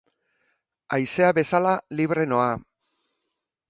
Haizea bezala, libre noa.